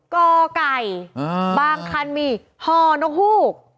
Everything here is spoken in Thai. กไก่บางคันมีฮนกฮูก